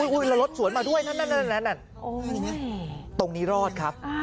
อุ๊ยแล้วรถสวนมาด้วยนั่นตรงนี้รอดครับ